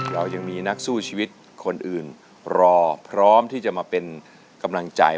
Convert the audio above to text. เรายังมีนักสู้ชีวิตคนอื่นรอพร้อมที่จะมาเป็นกำลังใจ